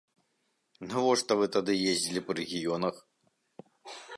Навошта вы тады ездзілі па рэгіёнах?